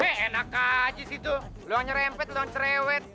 eh enak aja sih tuh lo nyerepet lo cerewet